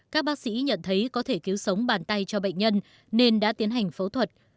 các bác sĩ nhận thấy có thể cứu sống bàn tay cho bệnh nhân nên đã tiến hành phẫu thuật